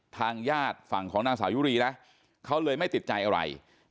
ทางญาติฝั่งของนางสาวยุรีนะเขาเลยไม่ติดใจอะไร